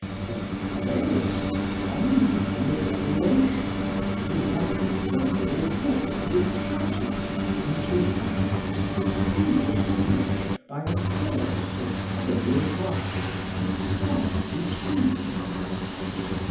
and Paraeus commenting on the Revelation, divides the whole Book as a Tragedy, into Acts distinguisht each by a Chorus of Heavenly Harpings and Song between.